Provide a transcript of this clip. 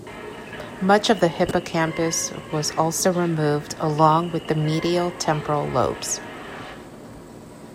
Much of the hippocampus was also removed along with the medial temporal lobes.